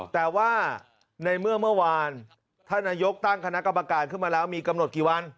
แต่ว่าในเมื่อเมื่อวานท่านนายกตั้งคณะกรรมการขึ้นมาแล้วมีกำหนดกี่วัน